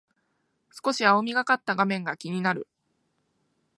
少し青みがかった画面が気になる